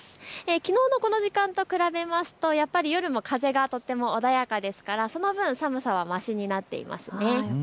きのうのこの時間と比べるとやっぱり夜も風がとっても穏やかですからその分、寒さがましになっていますね。